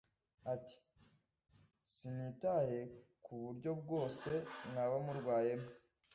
Ati” Sinitaye ku buryo bwose mwaba murwayemo